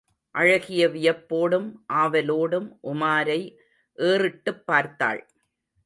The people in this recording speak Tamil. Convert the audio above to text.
அழகி வியப்போடும் ஆவலோடும் உமாரை ஏறிட்டுப் பார்த்தாள்.